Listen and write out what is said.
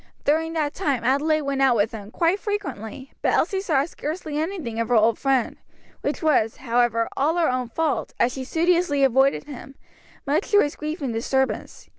During that time Adelaide went out with them, quite frequently, but Elsie saw scarcely anything of her old friend; which was, however, all her own fault, as she studiously avoided him; much to his grief and disturbance.